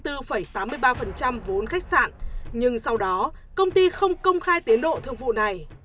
công ty đã mua được ba mươi bốn tám mươi ba vốn khách sạn nhưng sau đó công ty không công khai tiến độ thương vụ này